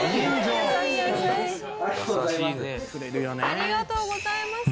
ありがとうございます。